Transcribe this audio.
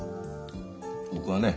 僕はね